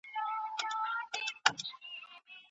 څلورم شرط عدالت دی.